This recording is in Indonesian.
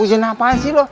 ujian apaan sih lu